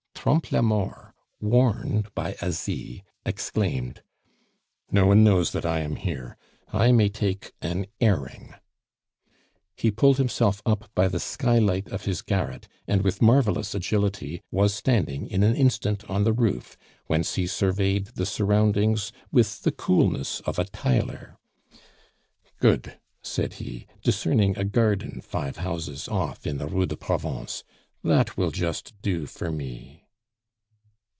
Trompe la Mort, warned by Asie, exclaimed: "No one knows that I am here; I may take an airing." He pulled himself up by the skylight of his garret, and with marvelous agility was standing in an instant on the roof, whence he surveyed the surroundings with the coolness of a tiler. "Good!" said he, discerning a garden five houses off in the Rue de Provence, "that will just do for me."